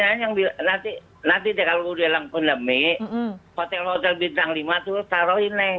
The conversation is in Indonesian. nanti kalau udah udah mendingin hotel hotel bintang lima tuh taruhin neng